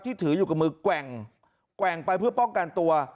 ถืออยู่กับมือแกว่งไปเพื่อป้องกันตัว